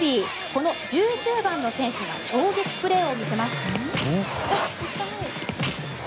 この１９番の選手が衝撃プレーを見せます。